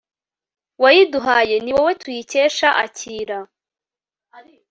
wayiduhaye. ni wowe tuyikesha akira